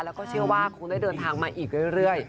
แล้วก็เชื่อว่าคงได้เดินทางมาอีกเรื่อย